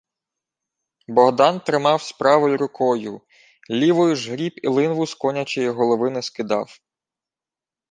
Богдан тримавсь правою рукою, лівою ж гріб і линву з конячої голови не скидав.